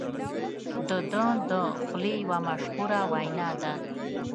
د ده د خولې یوه مشهوره وینا ده.